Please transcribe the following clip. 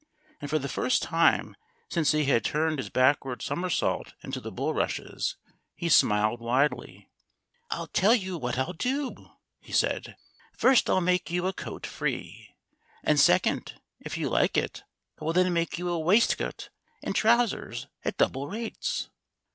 And for the first time since he had turned his backward somersault into the bulrushes, he smiled widely. "I'll tell you what I'll do!" he said. "First, I'll make you a coat free. And second, if you like it I will then make you a waistcoat and trousers, at double rates."